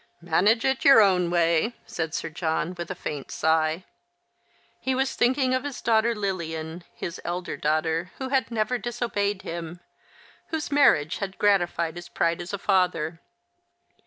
" Manage it your own way," said Sir John, with a faint sigh. He was thinking of his daughter Lilian, his elder daughter, who had never disobeyed him — whose marriage had gratified his pride as a father.